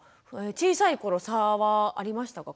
小さい頃差はありましたか？